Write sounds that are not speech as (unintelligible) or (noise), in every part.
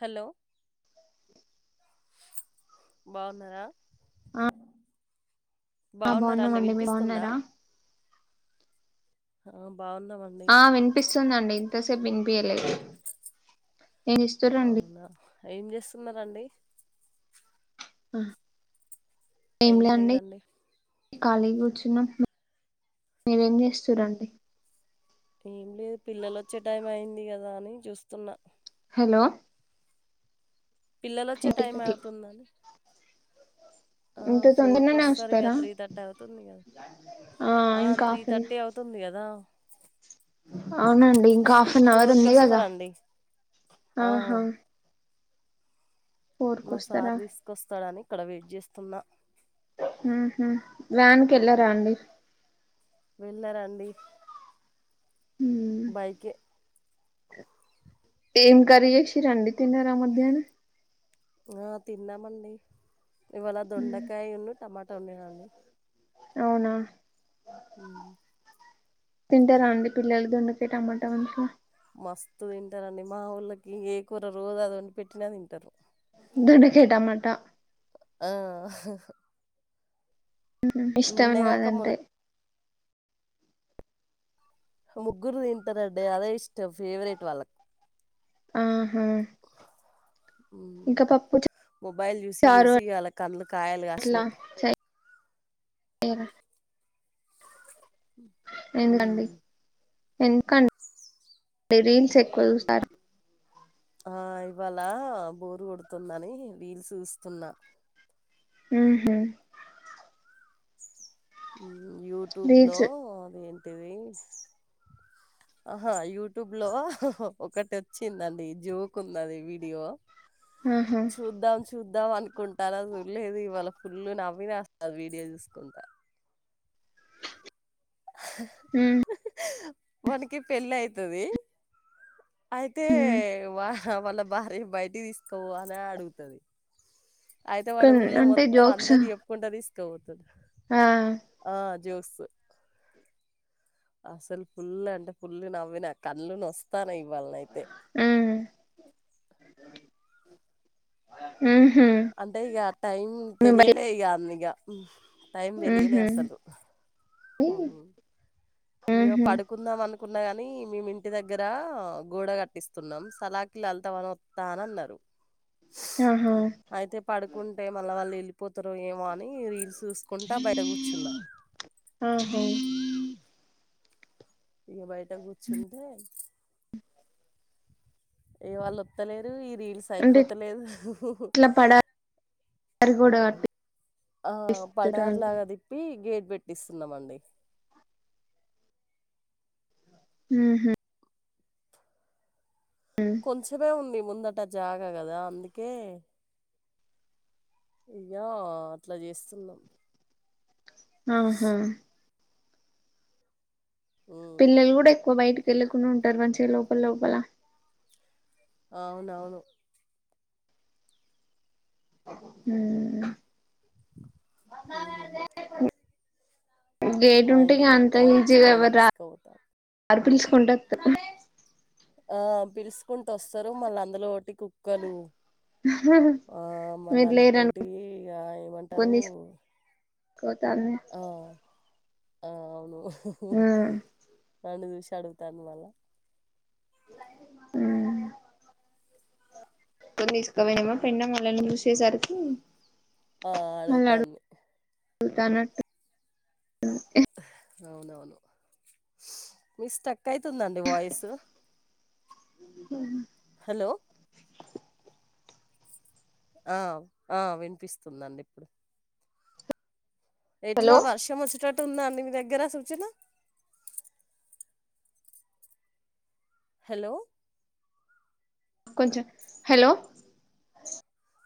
Hello బాగున్నారా ఆ బాగున్న రండి బాగున్నామండి మీరు వినిపిస్తుందా బాగున్నారా ఆ బాగున్నామండి. ఆ వినిపిస్తుందండి ఇంతసేపు వినిపియలేదు నేను ఇస్తూ రండి అవునా ఏం చేస్తున్నారండి ఆ ఏం లేదండి ఖాళీ కూర్చున్నాం మీరేం చేస్తురండీ ఏం లేదు పిల్లలు వచ్చే టైం అయింది కదా అని చూస్తున్నా హలో పిల్లలు వచ్చే టైం ఇంటికి అవుతుందని ఆ ఇంత ఫోర్ కు తొందరగానే వస్తారు ఇక వస్తారా త్రీ థర్టీ అవుతుంది కదా ఆ ఇంకా త్రీ హాఫ్ అన్ థర్టీ అవుతుంది గదా అవునండి ఇంకా హాఫ్ అన్ అవర్ ఫోర్కి ఉంది గదా వస్తారండి. ఆ ఆహా ఫోర్ కు మా వస్తారా సార్ తీసుకొస్తాడని ఇక్కడ వెయిట్ చేస్తున్నా ఉహు వ్యాన్ కి వెళ్ళరా అండి వెళ్ళరండి ఉమ్. బైకే ఏం కర్రీ చేసిరండి తిన్నారా మధ్యాహ్నం ఆ తిన్నామండి ఇవాళ ఉమ్. దొండకాయను టమాటా వండిన అండి అవునా హ్మ్మ్ తింటారా అండి పిల్లలు దొండకాయ టమాటా వం మస్తు తింటారండి మా వోళ్ళకి ఏ కూర రోజు అది ఒండిపెట్టిన తింటారు దొండకాయ టమాట ఆ ఇష్టమా నిన్నగాక అదంటే మొన్న ముగ్గురు తింటారండే అదే ఇష్టం ఫేవరెట్ వాళ్ళకి ఆహా ఉ ఇంకా పప్పు మొబైల్ చూసి చారు చూసి వాళ్ళ కళ్ళు కాయలు కాసినాయి ఏర ఎందుకండి హ్మ్మ్ ఎందుకండి రీల్స్ ఎక్కువ చూస్తారా ఆ ఇవాళ బోరు కొడుతుందని రీల్స్ చూస్తున్నా హు హు యూట్యూబ్ లో రీల్స్ అదేంటివి ఆహా యూట్యూబ్ లో ఒకటి వచ్చిందండి జోక్ ఉన్నది వీడియో ఆహా చూద్దాం చూద్దాం అనుకుంటన్న చూలేదు ఇవాళ ఫుల్ నవ్విసస్త వీడియో చూసుకుంటా వానికి పెళ్లి అయితది అయితే ఉహు వా వాళ్ళ భార్య బయటికి తీసుకోవాలా అని అడుగుతది అయితే వాడు కొన్ని ఊళ్ళ అంటే మొత్తం జోక్స్ అందరి చెప్పుకుంట తీసుకపోతడు ఆ ఆ జోసు అసలు పుల్లు అంటే పుల్లు నవ్విన కళ్ళు నొస్తన్నాయ్ వాళ్ళ అయితే ఉ అంటే ఇగ టైం తెలియలే ఇగ అ ఇగ టైం ఉహు తెలియలేదు అసలు ఉహు పడుకుందాం అనుకు కున్నా గాని మేము ఇంటి దగ్గర గోడ కట్టిస్తున్నాం సలాకి లలిత వస్తా అని అన్నారు ఆహా అయితే పడుకుంటే మళ్ళ వాళ్ళ వెళ్ళి పోతారు ఏమో అని రీల్స్ చూసుకుంటా బయట కూర్చున్నా ఆహా ఇగ బయట కూర్చుంటే ఇగ వాళ్ళు ఒత్తలేరు ఈ రీల్స్ అంటే అయిపోతలేదు ఇట్లా పడారి కూడా ఆ కట్టిస్తుర్రా పడారు అండి లాగా తిప్పి గేట్ పెట్టిస్తున్నమండి హు హమ్ కొంచెమే ఉంది ముందట జాగా కదా అందుకే ఇగో అట్లా చేస్తున్నాం ఆహా ఉమ్ పిల్లలు కూడా ఎక్కువ బయటకి వెళ్ళకుండా ఉంటారు మంచిగా లోపల లోపల అవునవును ఉం ఆహా గేట్ మా ఉంటే ఇగ ఇంటి పక్క వచ్చి పెండ తీసుకపోతారు మారు (unintelligible) పిల్చకుంట ఆ పిలుసుకుంట వస్తారు మళ్ళ అందులో ఒకటి కుక్కలు ఆ మళ్ళా మీరు అంతోటి లేరనుకోని ఇగ ఏమంటారు కోత అే ఆ (unintelligible) ఆ అవును నన్ను చూసి అడుగుతాన్ది మళ్ళా ఉం కొ ఇసుకవమ్మా పెన్నమ్మాళ్ళ రషేసారికి (unintelligible) ఆ అడుగుతాంది సల్తన (unintelligible) అవునవును మీది స్టక్ అయితుందండి వాయిస్ హు హమ్ హలో ఆ ఆ వినిపిస్తుందండి ఇప్పుడు ఎట్లా హలో వర్షం వచ్చేటట్టు ఉంద అండి మీ దగ్గర సూచన హలో కొంచం హలో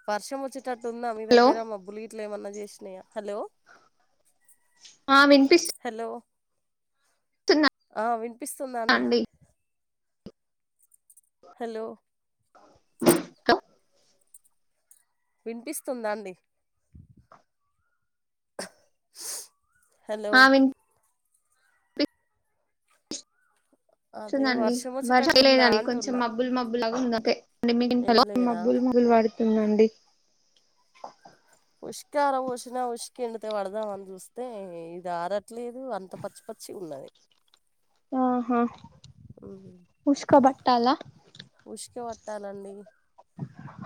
వర్షం వచ్చేటట్టు ఉందా మీ హలో దగ్గర మబ్బులు గి ట్ల ఏమన్నా చేసినాయా హలో ఆ వినిపిస్త హలో ఆ వినిపిస్తుందా అండి హలో హలో వినిపిస్తుందా అండి హలో ఆ వినిపిస్తుందండి అదే ూందండి వర్షం వచ్చేటట్టు ఉందా వరిలేండి (unintelligible) కొంచెం అంటున్నా మబ్బులు మబ్బులాగా ఉందం ఏం (unintelligible) లేదా మబ్బులు ముగ్గులు వాడుతున్నాండి ఉసుక ఆర బొసిన ఉసుక ఎండితే పడదాం అని చూస్తే ఇది ఆరట్లేదు అంత పచ్చి పచ్చి ఉన్నా అది (inaudible) ఆహా ఉసుక బట్టల ఉసుక పట్టాలండి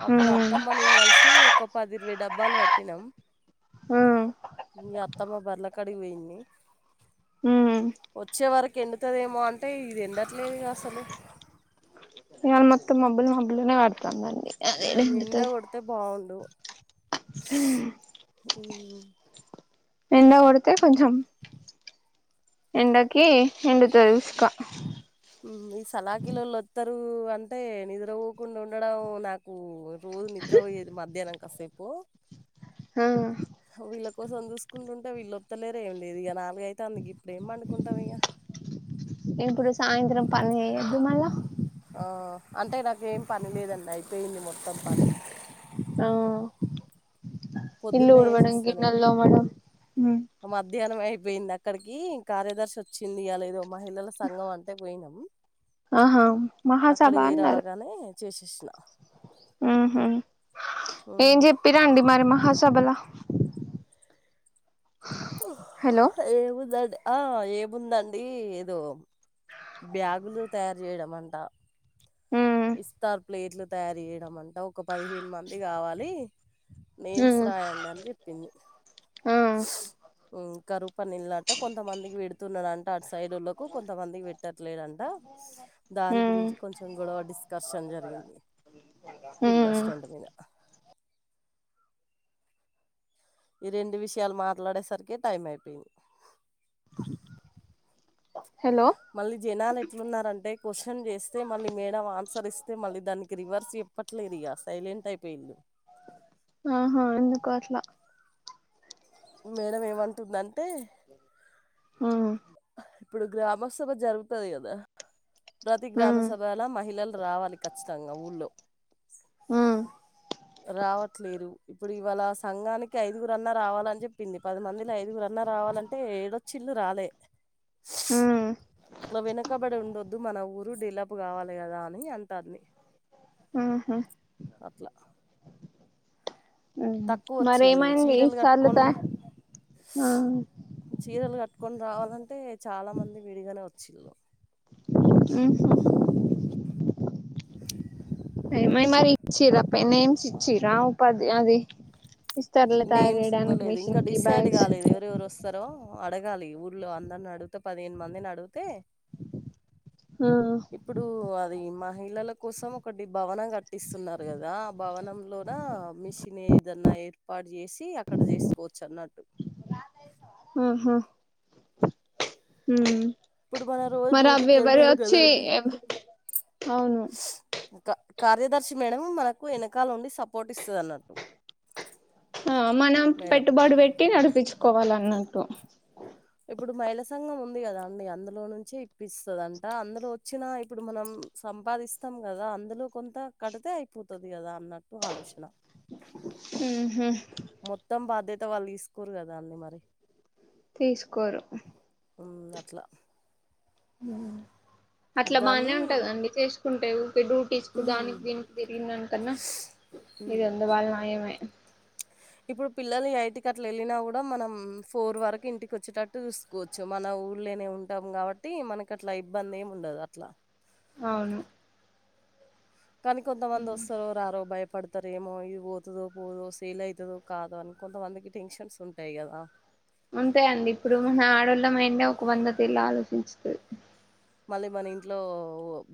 అప్పుడు ఉమ్ అత్తమ్మ నేం కలిసి ఒక పది ఇరవై డబ్బులు పట్టినమ్ ఉమ్ ఇగ అత్తమ్మ బర్రే అడువని (unintelligible) ఉమ్ వచ్చే వరకు ఎండుతదేమో అంటే ఇది ఎండట్లేదుగా అసలు ఇవాళ మొత్తం మబ్బులు మబ్బులు గునే పడతాంది అది ఏడ ఉం ఎండ ఎండుతది కొడితే బావుండు హు నిన్న కొడితే కొంచం ఎండకి ఎండుతది ఇసుక ఈ సలాకిీలోళ్ళ వతరు అంటే నిద్ర పోవ్వకుండా ఉండడం నాకు రోజు నిద్ర పోయేది మధ్యానం కాసేపు ఆ వీళ్ళ కోసం చూసుకుంటుంటే వీళ్ళొత్తలేర ఏమి లేదు (unintelligible) (unintelligible) ఇప్పుడేం పండుకుంటాం ఇగ ఇప్పుడు సాయంత్రం పని ఎప్పుడు మళ్ళ అంటే నాకిఏం పని లేదండి అయిపోయింది మొత్తం పని ఆ ఇల్లు పొద్దున్నే ఉడవడం చేసేస్తా నేను గిన్నెలు తోమడం పోయింది అక్కడికి కార్యదర్శి వచ్చింది అ లే ఏదో మహిళల సంఘం అంటే పోయినాం ఆహా అక్కడికి మహాసభా పోయి అన్నారు రాగానే చేసేసిన ఉహ ఏం చెప్పి రండి మరిమహా సభల ఏముందండి ఆ ఏముందండి ఏదో బ్యాగులు తయారు చేయడం అంట ఉమ్ ఇస్తారు ప్లేట్లు తయారు చేయడం అంట ఒక పదిహేను మంది కావాలి నేమ్స్ ఉమ్ రాయండి అని చెప్పింది ఆ కరువు పని (unintelligible) కొంతమందికి పెడుతున్నానంట సైడ్ లోకి కొంతమంది పెట్టట్లేదుంట దాని ఉమ్ గురించి కొంచెం కూడ డిస్కర్షన్ జరి పిల్ల ఉమ్ స్టండ్ మీనా ఈ రెండు విషయాలు మాట్లాడేసరికి టైం అయిపో (unintelligible) హలో మళ్ళీ జనాలు ఎట్లున్నారంటే క్వశ్చన్ చేస్తే మళ్ళీ మేడం ఆన్సర్ ఇస్తే మళ్ళీ దానికి రివర్స్ చెప్పట్లేదు ఇగ సైలెంట్ అయిపోయింది ఆహా ఎందుకు అట్లా మేడం ఏమంటుందంటే ఆ ఇప్పుడు గ్రామస్తులు జరుగుతది కదా ప్రతి గ్రామ ఉమ్ సభలో మహిళలు రావాలి కఖచ్చితంగ ఊళ్ళో ఆ రావట్లేదు ఇప్పుడు ఇవాళ సంఘానికి ఐదుగురు అన్నా రావాలని చెప్పింది పది మందిని ఐదుగురు అన్ (unintelligible) రావాలంటే ఏడొచ్చిల్లు రాలే ఉమ్ ఇట్లా వెనకబడి ఉండొద్దు మన ఉ డేవలప్ కావాలి కదా అని అంటాన్ది ఆహా తక్కువ వచ్చిల్లు మరేమైంది చీరలు ఈసార్లు త కట్టుకోన్ ఆ చీరలు కట్టు కొని రావాలంటే చాలా మంది విడిగానే వచ్చిల్లు (unintelligible) మరి ఇచ్చిరా నేమ్స్ ఇచ్చిర ఉపాధి అది ఇస్తారులే తయారు నేమ్స్ చేయడానికి ఇవ్వలేదు ఇంకా మిషన్ కి డిసైడ్ బ్యాగ్స్ కాలేదు ఎవరెవరు వస్తారో అడగాలి ఊర్లో అందరిని అడిగితే పదిహేను మందిని అడిగితే ఆ ఇప్పుడు అది మహిళల కోసం ఒకటి భవనం కట్టిస్తున్నారు కదా భవనంలోన మిషన్ ఏదన్నా ఏర్పాటు చేసి అక్కడ చేసుకోవచ్చు అన్నా ఉహు ఉమ్ ఇప్పుడు మన రోజు మరే అవి డ్యూటీకి మరి వెళ్తాం వచ్చి కదండి అవును కా కార్యదర్శి మేడం మనకు వెనకాల నుండి సపోర్ట్ ఇస్తది అన్నట్టు ఆ మనం మేడం పెట్టుబడు పెట్టి నడిపించుకోవాలన్నట్టు ఇప్పుడు మైళ సంఘం ఉంది కదా అండి అందులో నుంచే ఇప్పిస్తుదంట అందులో వచ్చినా ఇప్పుడు మనం సం పాదిస్తాం కదా అందులో కొంత కడితే అయిపోతుది కదా అన్నట్టు ఆలోచన ఉహు మొత్తం బాధ్యత వాళ్ళు తీసుకోరు కదా అండి మరి తీసుకోరు ఉమ్ అట్లా ఉమ్ అట్లా బానే దాన్ని ఉంటందండి చేసుకుంటే వు డూటెస్ట్ ఉమ్ గని దీనికి తిరిగిందాని కన్నా ఇది ఉమ్ వంద బళ్లు నయమే ఇప్పుడు పిల్లలు యైట్టకి అట్లా వెళ్ళినా కూడా మనం ఫోర్ వరకు ఇంటికి వచ్చేటట్టు చూసుకోవచ్చు మన ఊర్ లోనే ఉంటాం కాబట్టి మనకి అట్లా ఇబ్బంది ఏమి ఉండదు అట్లా అవును కానీ కొంతమంది విస్తారో రారో బయ పడతారు ఏమో ఇది పోతుదో పోదో సెల్ అవుతుందో కాదో అని కొంతమందికి టెన్షన్స్ ఉంటాయి కదా అంతే అండి ఇప్పుడు మన ఆడోళ్ళ మాైండే ఒక వంద తీర్ల ఆలోచించుతది మళ్ళీ మన ఇంట్లో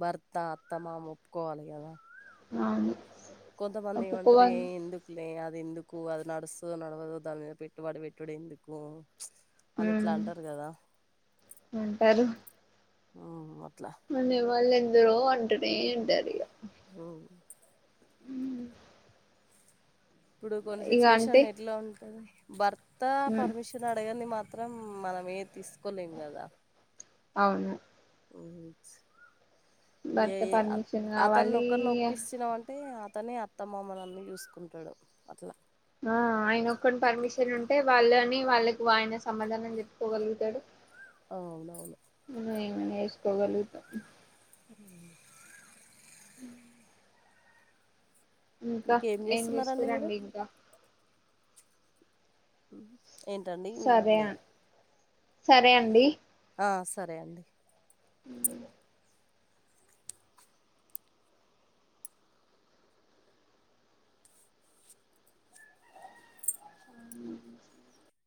భర్త అత్తమామా ఒప్పుకోవాలి కదా అవును కొంతమంది వంటరిగా ఒప్పుకోవాలి ఎందుకులే అద్ ఎందుకు అది నడుస్తదో నడవదో దాని మీద పెట్టుబడి పెట్టుడు ఎందుకు అని ఇట్లా ఉమ్ అంటారు కదా అంటారు ఉమ్ వర్ అనే వాళ్ళ ఎందరో అంటునే అంటారు ఇగ ఆ ఉమ్ ఇప్పుడు కొన్ని అంటే సిచ్యువేషన్ ఎట్లా ఉంటది భర్త ఉమ్ పర్మిషన్ అడగాండి మాత్ త్రం మనమే తీసుకోలేం కదా అవును ఉమ్ ఏ భర్త పర్మిషన్ కావాలి అతన్నోక్కరినీ ఓప్పిచ్చినా అంటే అతనే అత్తమ్మమనన్ని చూసుకుంటాడు అట్లా ఆ ఆయన ఒక్కడి పర్మిషన్ ఉంటే వాళ్ళని వాళ్ళకి ఆయన సమాధానం చెప్పుకోగలుగుతాడు అవునవును ఎస్కోగలుగుత ఉమ్ ఇంకా ఇంకేం ఏం చేస్తున్నారండి మీరు చేస్తుర్రండి ఇంకా ఏంటండి సరే వినబడట్లెదు అన్ సరే అండి ఆ సరే అండి ఉమ్ ఆ